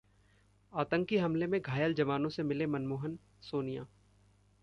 आतंकी हमले में घायल जवानों से मिले मनमोहन, सोनिया